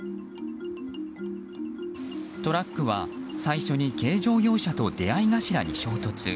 トラックは最初に軽乗用車と出合い頭に衝突。